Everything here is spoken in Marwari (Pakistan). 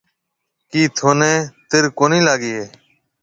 ڪِي ٿنَي تره ڪونهي لاگِي هيَ؟